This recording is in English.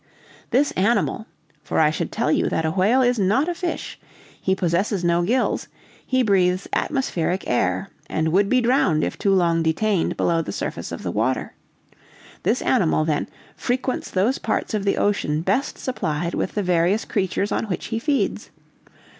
"This animal (for I should tell you that a whale is not a fish; he possesses no gills, he breathes atmospheric air, and would be drowned if too long detained below the surface of the water); this animal, then, frequents those parts of the ocean best supplied with the various creatures on which he feeds.